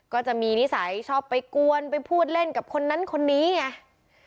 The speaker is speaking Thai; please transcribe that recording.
ก็จะมีนิสัยชอบไปกวนไปพูดเล่นกับคนนั้นคนนี้ไง